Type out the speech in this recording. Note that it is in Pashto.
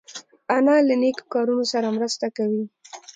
انا له نیکو کارونو سره مرسته کوي